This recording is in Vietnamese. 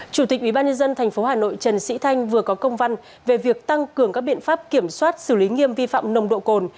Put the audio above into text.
chủ tịch ubnd tp hà nội trần sĩ thanh vừa có công văn về việc tăng cường các biện pháp kiểm soát xử lý nghiêm vi phạm nồng độ cồn